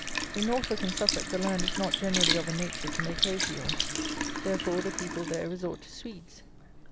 In Norfolk and Suffolk the land is not generally of a nature to make hay fields. Therefore the people there resort to Swedes.